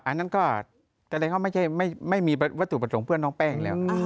อันนั้นก็ก็เลยไม่มีวัตถุประสงค์เพื่อนน้องแป้งแล้ว